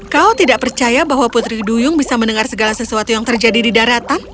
kau tidak percaya bahwa putri duyung bisa mendengar segala sesuatu yang terjadi di daratan